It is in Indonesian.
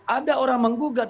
ada orang menggugat